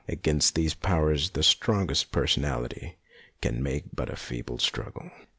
Against these powers the strongest personality can make but a feeble struggle.